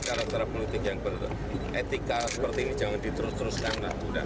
karena cara politik yang beretika seperti ini jangan diterus teruskan